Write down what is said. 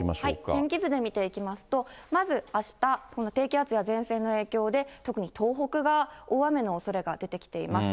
天気図で見ていきますと、まずあした、この低気圧や前線の影響で、特に東北が大雨のおそれが出てきています。